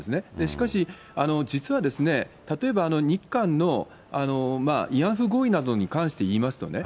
しかし、実は例えば日韓の慰安婦合意などに関していいますとね、